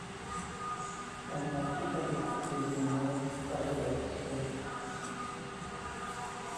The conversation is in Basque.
Baina ekitaldi gutxi egin ondoren, taldea utzi zuen.